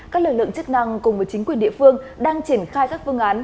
các lực lượng chức năng cùng với chính quyền địa phương đang triển khai các phương án